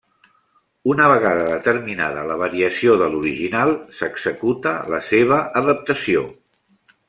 Una vegada determinada la variació de l'original s'executa la seva adaptació.